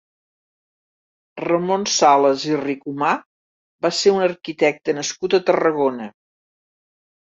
Ramon Salas i Ricomá va ser un arquitecte nascut a Tarragona.